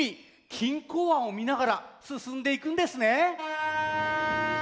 錦江湾をみながらすすんでいくんですね。